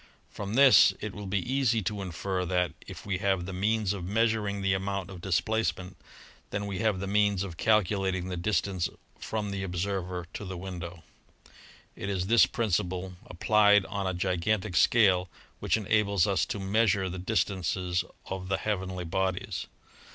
From this it will be easy to infer that, if we have the means of measuring the amount of displace ment, then we have the means of calculating the distance from the observer to the window. It is this principle applied on a gigantic scale which enables us to measure the distances of the heavenly bodies.